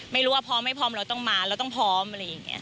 พร้อมไม่พร้อมเราต้องมาเราต้องพร้อมอะไรอย่างนี้